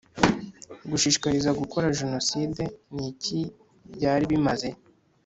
gushishikariza gukora jenoside ni iki byaribimaze